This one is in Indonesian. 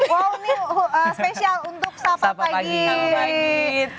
wow ini special untuk sapa pagit